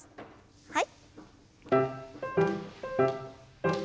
はい。